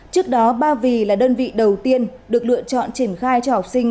trước đó ba vì là đơn vị đầu tiên được lựa chọn triển khai cho học sinh